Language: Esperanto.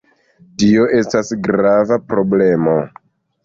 Tio estas grava problemo.